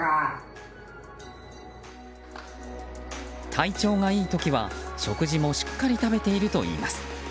体調がいい時は食事もしっかり食べているといいます。